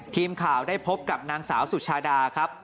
ทีมข่าวได้พบกับนางสาวสุชาดาครับ